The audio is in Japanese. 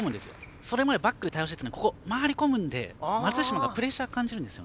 それまでバックで対応していたのに回り込むから松島がプレッシャーを感じるんです。